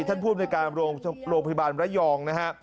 ท่านผู้อำนวยการโรงพยาบาลระยองนะฮะ